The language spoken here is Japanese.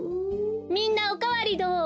みんなおかわりどう？